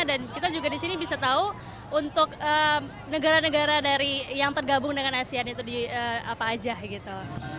dan kita juga disini bisa tahu untuk negara negara yang tergabung dengan asean itu apa aja gitu